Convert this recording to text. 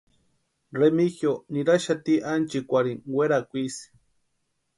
Remigio niraxati ánchikwarhini werakwa isï.